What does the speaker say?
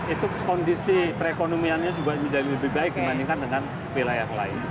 itu kondisi perekonomiannya juga menjadi lebih baik dibandingkan dengan wilayah lain